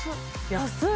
安い！